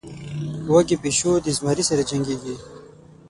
وږى پيشو د زمري سره جنکېږي.